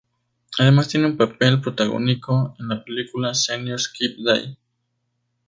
Además tiene un papel protagónico en la película "Senior Skip Day".